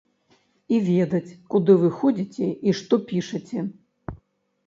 І ведаць, куды вы ходзіце і што пішаце.